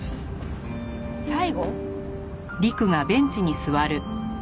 最後？